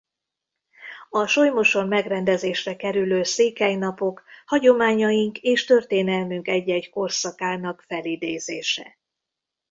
A Solymoson megrendezésre kerülő Székely napok hagyományaink és történelmünk egy-egy korszakának felidézése.